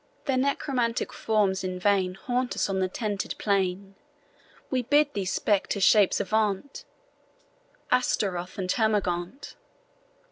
Their necromantic forms in vain Haunt us on the tented plain; We bid these spectre shapes avaunt, Ashtaroth and Termagaunt.